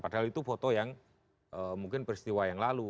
padahal itu foto yang mungkin peristiwa yang lalu